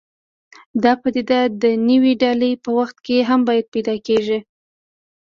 دا پدیده د نوې ډلې په وخت کې هم بیا پیدا کېږي.